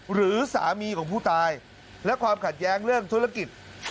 หรือสามีของผู้ตายและความขัดแย้งเรื่องธุรกิจ